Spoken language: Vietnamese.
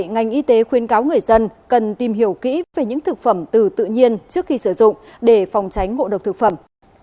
ngành y tế khuyên cáo người dân cần tìm hiểu kỹ về những thực phẩm từ tự nhiên trước khi sử dụng để phòng tránh ngộ độc thực phẩm